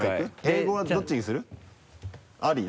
英語はどっちにする？あり？